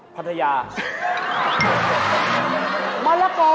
ภาษายา